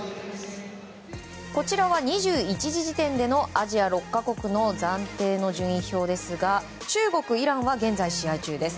こちらは２１時時点でのアジア６か国の暫定の順位表ですが中国、イランは現在、試合中です。